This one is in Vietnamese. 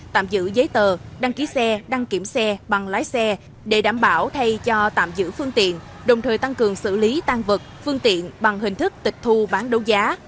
tạm giữ giấy tờ đăng ký xe đăng kiểm xe bằng lái xe để đảm bảo thay cho tạm giữ phương tiện đồng thời tăng cường xử lý tan vật phương tiện bằng hình thức tịch thu bán đấu giá